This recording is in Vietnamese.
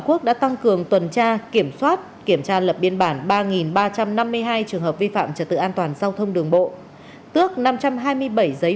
chúc chú trẻ thật sự tốt thân